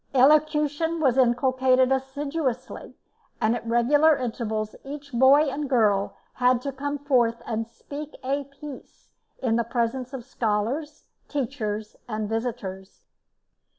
Elocution was inculcated assiduously, and at regular intervals each boy and girl had to come forth and "speak a piece" in the presence of the scholars, teachers, and visitors.